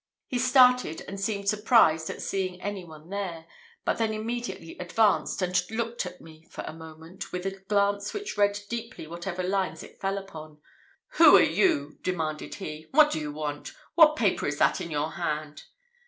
He started, and seemed surprised at seeing anyone there; but then immediately advanced, and looking at me for a moment, with a glance which read deeply whatever lines it fell upon, "Who are you?" demanded he. "What do you want? What paper is that in your hand?"